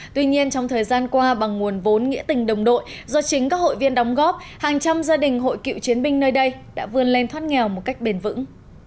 tuy nhiên trong thời gian qua bằng nguồn vốn nghĩa tình đồng đội do chính các hội viên đóng góp hàng trăm gia đình hội cựu chiến binh nơi đây đã vươn lên thoát nghèo một cách bền vững